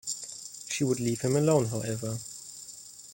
She would leave him alone, however.